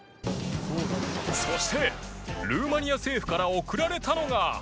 そしてルーマニア政府から贈られたのが